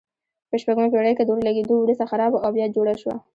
په شپږمه پېړۍ کې د اور لګېدو وروسته خرابه او بیا جوړه شوه.